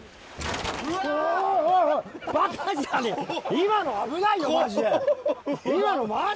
今の危ないよマジで！